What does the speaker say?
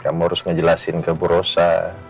kamu harus ngejelasin ke bu rosa